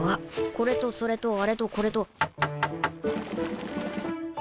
これとそれとあれとこれと。